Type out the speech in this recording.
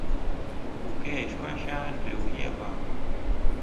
Ukeeshwa nshaa ndeu yevava.